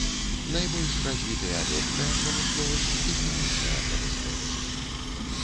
Найбольш развітыя лёгкая прамысловасць і хімічная прамысловасць.